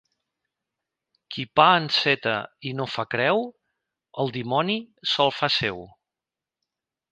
Qui pa enceta i no fa creu, el dimoni se'l fa seu.